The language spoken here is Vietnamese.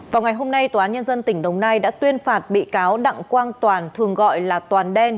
vào ngày hôm nay tòa án nhân dân tỉnh đồng nai đã tuyên phạt bị cáo đặng quang toàn thường gọi là toàn đen